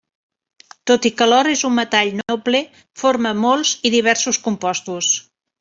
Tot i que l'or és un metall noble, forma molts i diversos compostos.